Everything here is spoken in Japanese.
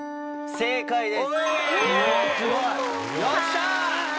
正解です。